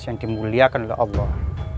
yang dimuliakan oleh allah